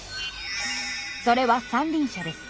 それは三輪車です。